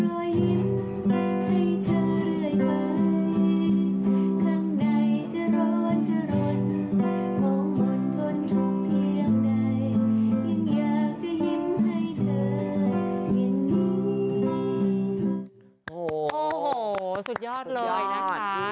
โอ้โหสุดยอดเลยนะคะ